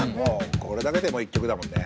これだけでもう一曲だもんね。